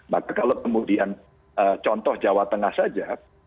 maka kalau kemudian contoh jawa tengah saja